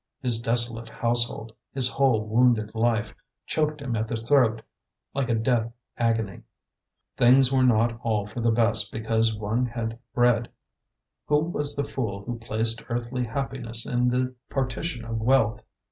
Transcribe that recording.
His desolate household, his whole wounded life, choked him at the throat like a death agony. Things were not all for the best because one had bread. Who was the fool who placed earthly happiness in the partition of wealth?